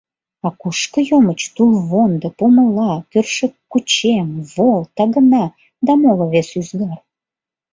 А кушко йомыч тулвондо, помыла, кӧршӧккучем, вол, тагына да моло-вес ӱзгар?